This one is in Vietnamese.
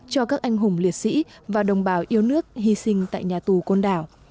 cho các anh hùng liệt sĩ và đồng bào yêu nước hy sinh tại nhà tù côn đảo